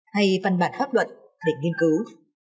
hay văn bản pháp luận để nghiên cứu